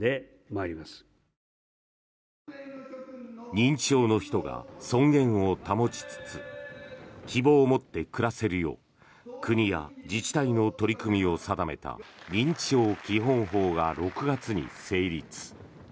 認知症の人が尊厳を保ちつつ希望を持って暮らせるよう国や自治体の取り組みを定めた認知症基本法が６月に成立。